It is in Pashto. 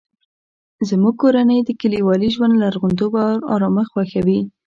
زموږ کورنۍ د کلیوالي ژوند لرغونتوب او ارامښت خوښوي